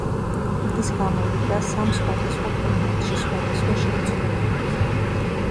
ის გამოვიდა სამ სხვადასხვა ფორმატში სხვადასხვა შემცველობით.